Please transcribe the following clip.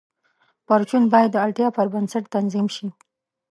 پرچون باید د اړتیا پر بنسټ تنظیم شي.